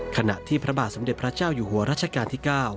ขณะที่พระบาทสมเด็จพระเจ้าอยู่หัวรัชกาลที่๙